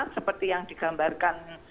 seperti yang digambarkan